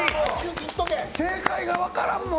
正解が分からんもん！